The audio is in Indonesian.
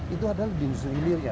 itu adalah di industri hilir ya